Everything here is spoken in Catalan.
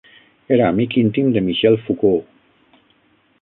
Era amic íntim de Michel Foucault.